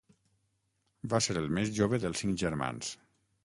Va ser el més jove dels cinc germans.